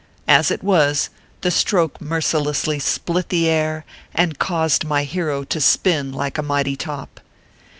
As it was, the stroke mercilessly split the air, and caused my hero to spin like a mighty top.